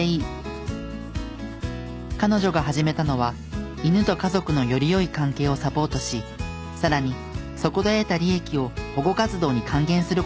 彼女が始めたのは犬と家族のより良い関係をサポートしさらにそこで得た利益を保護活動に還元する事でした。